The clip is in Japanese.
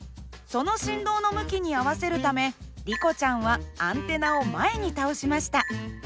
その振動の向きに合わせるためリコちゃんはアンテナを前に倒しました。